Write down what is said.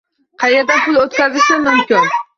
Qayerdan pul o'tkazishim mumkin?